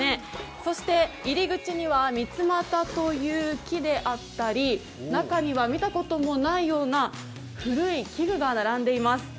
そして入り口にはみつまたという木であったり、中には見たこともないような古い器具が並んでいます。